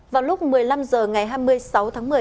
vào lúc một mươi năm h ngày hai mươi sáu tháng một mươi